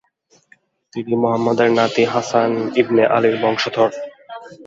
তিনি মুহাম্মাদের নাতি হাসান ইবনে আলির বংশধর।